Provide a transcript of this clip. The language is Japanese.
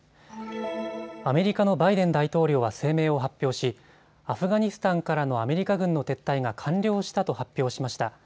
アメリカのバイデン大統領は声明を発表しアフガニスタンからのアメリカ軍の撤退が完了したと発表しました。